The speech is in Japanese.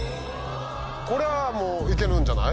これはもう行けるんじゃない？